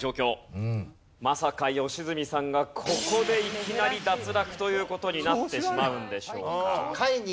まさか良純さんがここでいきなり脱落という事になってしまうんでしょうか？